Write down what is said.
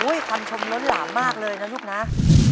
ความชมหล่ำมากเลยนะยุคนา